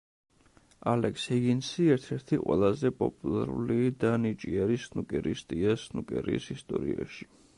ალექს ჰიგინსი ერთ-ერთ ყველაზე პოპულარული და ნიჭიერი სნუკერისტია სნუკერის ისტორიაში.